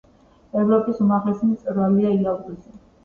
ევროპის უმაღლესი მწვერვალია იალბუზი.